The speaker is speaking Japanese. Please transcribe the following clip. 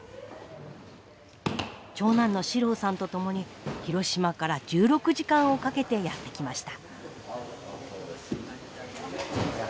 長男の史郎さんと共に広島から１６時間をかけてやって来ました。